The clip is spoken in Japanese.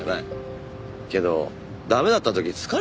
けど駄目だった時疲れねえか？